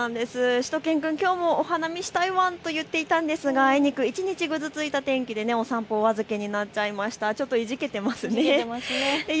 しゅと犬くん、きょうもお花見したいワンと言っていたんですがあいにく一日ぐずついた天気でお散歩、お預けになっちゃいました。